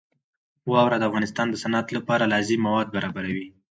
واوره د افغانستان د صنعت لپاره لازم مواد برابروي.